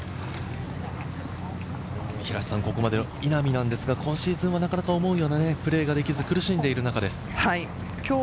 ここまで稲見なんですが今シーズンはなかなか思うようなプレーができず、苦しんでいる中で。